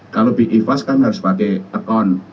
kalau bifas kan harus pakai akun